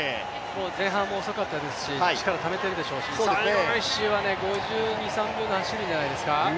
前半も遅かったですし、力をためているでしょうし、最後の１周は５２５３秒で走るんじゃないですか。